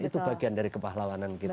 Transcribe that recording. itu bagian dari kepahlawanan kita